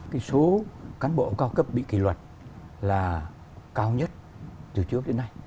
cái số cán bộ cao cấp bị kỷ luật là cao nhất từ trước đến nay